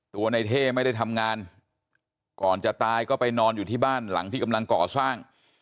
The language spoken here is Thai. ตัวในเท่ไม่ได้ทำงานก่อนจะตายก็ไปนอนอยู่ที่บ้านหลังที่กำลังก่อสร้าง